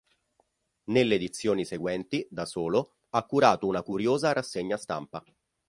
Nelle edizioni seguenti, da solo, ha curato una "curiosa" rassegna stampa.